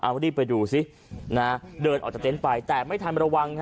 เอารีบไปดูสิเดินออกจากเต็นต์ไปแต่ไม่ทันระวัง